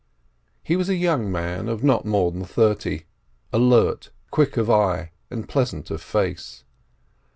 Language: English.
He was a young man of not more than thirty, alert, quick of eye, and pleasant of face.